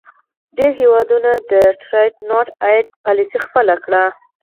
ډیری هیوادونو د Trade not aid پالیسي خپله کړې.